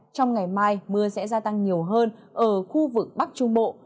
trong ngày mai mưa sẽ gia tăng nhiều hơn ở khu vực bắc trung bộ